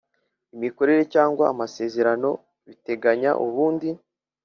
Imikorere cyangwa amasezerano biteganya ubundi